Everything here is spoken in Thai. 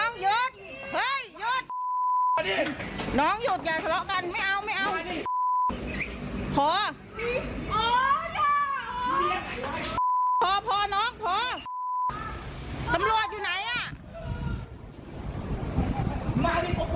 พอพอพอน้องพอสำรวจอยู่ไหนอ่ะ